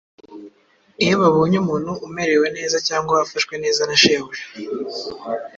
Iyo babonye umuntu umerewe neza cyangwa afashwe neza na shebuja,